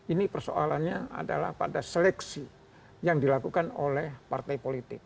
ini persoalannya adalah pada seleksi yang dilakukan oleh partai politik